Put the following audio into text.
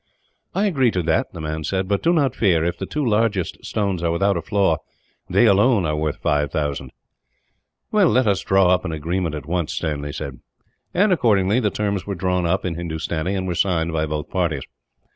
"I agree to that," the man said. "But do not fear; if the two largest stones are without a flaw, they alone are worth five thousand." "Let us draw up the agreement, at once," Stanley said. And, accordingly, the terms were drawn up, in Hindustani, and were signed by both parties.